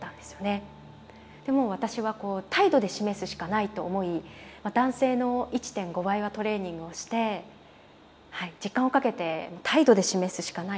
でもう私はこう態度で示すしかないと思い男性の１．５倍はトレーニングをしてはい時間をかけて態度で示すしかないと思いましたね。